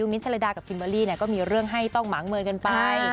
มิ้นทะลดากับคิมเบอร์รี่ก็มีเรื่องให้ต้องหมางเมินกันไป